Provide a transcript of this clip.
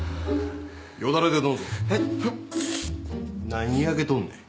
何にやけとんねん？